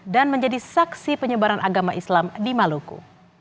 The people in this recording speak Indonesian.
dan menjadi saksi penyebaran agama islam di maluku